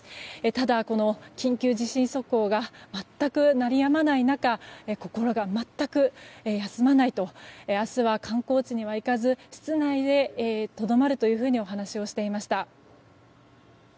ただ、この緊急地震速報が全く鳴りやまない中心が全く休まらないと明日は観光地には行かず室内にとどまるとお話をされていました。